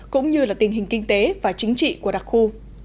cũng như là tình hình kinh tế và chính trị của đặc khu